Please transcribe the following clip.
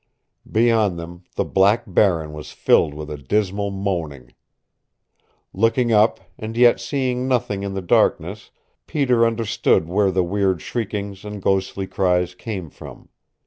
Beyond them the black barren was filled with a dismal moaning. Looking up, and yet seeing nothing in the darkness, Peter understood where the weird shriekings and ghostly cries came from.